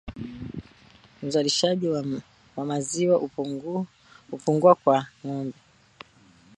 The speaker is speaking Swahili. Uzalishaji wa maziwa hupungua kwa ngombe